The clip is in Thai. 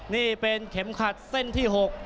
นี่เป็นเข็มขัดเส้นที่๖